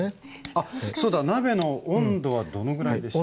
あっそうだ鍋の温度はどのぐらいでしょう。